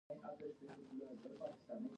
زه هره ورځ د سهار ورزش کوم او روغ یم